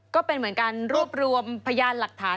ก็เป็นเหมือนการรวบรวมพยานหลักฐาน